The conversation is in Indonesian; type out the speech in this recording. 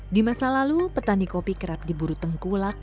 di masa lalu petani kopi kerap diburu tengkulak